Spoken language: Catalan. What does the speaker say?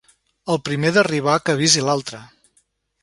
El primer d'arribar que avisi l'altre.